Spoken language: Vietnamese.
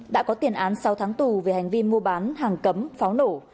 đã có tiền án sáu tháng tù về hành vi mua bán hàng cấm pháo nổ